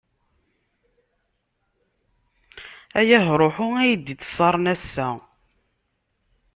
Ay ahṛuḥu, ay d-ittṣaren ass-a.